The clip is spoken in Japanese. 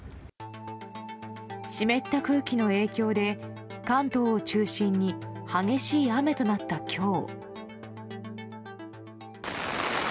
湿った空気の影響で関東を中心に激しい雨となった今日。